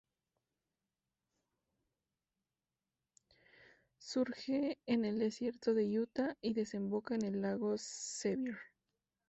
Surge en el Desierto de Utah y desemboca en el lago Sevier.